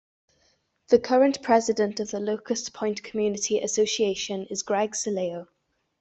The current president of the Locust Point Community Association is Greg Sileo.